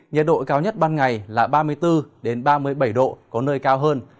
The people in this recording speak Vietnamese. nhiệt độ cao nhất ban ngày là ba mươi bốn ba mươi bảy độ có nơi cao hơn